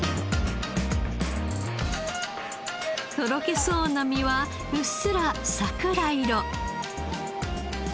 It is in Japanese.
とろけそうな身はうっすら桜色。